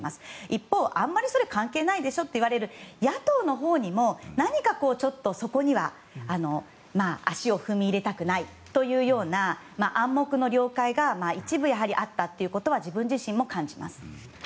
一方、あまりそれ関係ないでしょといわれる野党のほうにも何かちょっとそこには足を踏み入れたくないというような暗黙の了解が一部、やはりあったということは自分自身も感じます。